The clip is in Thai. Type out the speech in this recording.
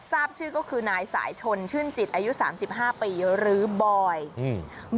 ทราบชื่อก็คือนายสายชนชื่นจิตอายุสามสิบห้าปีหรือบอยอืม